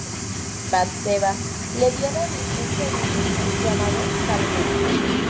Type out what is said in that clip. Bat-seba le dio a David un segundo hijo, llamado Salomón.